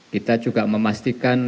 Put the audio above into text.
kita juga memastikan